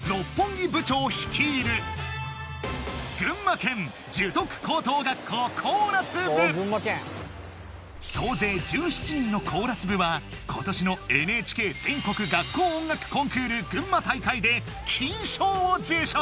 群馬県樹徳高等学校コーラス部総勢１７人のコーラス部は今年のＮＨＫ全国学校音楽コンクール群馬大会で金賞を受賞